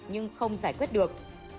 nhưng không giải quyết được